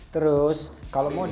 terus kalau mau ya tali